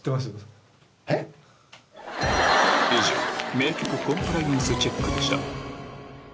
名曲コンプライアンスチェックでした